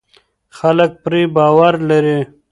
خلک پرې باور لري.